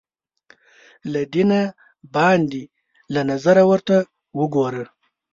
له دینه باندې له نظره ورته وګورو